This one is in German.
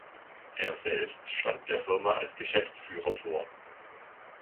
Er selbst stand der Firma als Geschäftsführer vor.